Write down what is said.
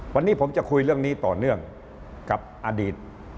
วันนี้ผมจะคุยเรื่องนี้ต่อเนื่องกับอดีต